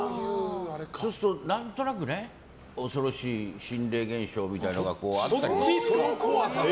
そうすると何となくね恐ろしい心霊現象みたいなのがあったり。